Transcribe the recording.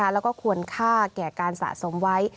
แล้วก็ควรค่าแก่การสะสมไว้